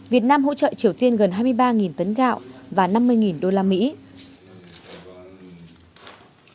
việt nam hỗ trợ triều tiên gần hai mươi ba tấn gạo và năm mươi đô la mỹ